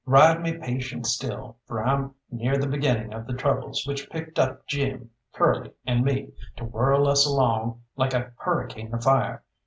Ride me patient still, for I'm near the beginning of the troubles which picked up Jim, Curly, and me, to whirl us along like a hurricane afire.